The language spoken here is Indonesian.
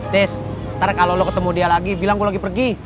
terus ntar kalau lo ketemu dia lagi bilang gue lagi pergi